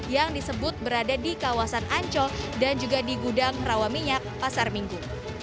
yang disebut berada di kawasan ancol dan juga di gudang rawaminyak pasar minggu